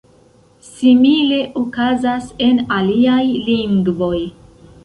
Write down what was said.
Simile okazas en aliaj lingvoj.